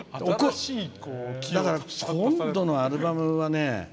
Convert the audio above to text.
だから、今度のアルバムはね